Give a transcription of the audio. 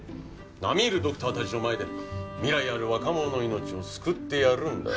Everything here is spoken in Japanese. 並み居るドクターたちの前で未来ある若者の命を救ってやるんだ。